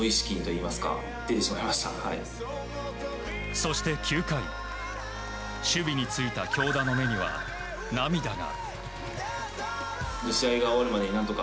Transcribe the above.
そして９回守備についた京田の目には涙が。